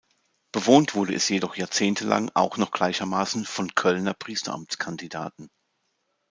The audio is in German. Bewohnt wurde es jedoch jahrzehntelang auch noch gleichermaßen von Kölner Priesteramtskandidaten.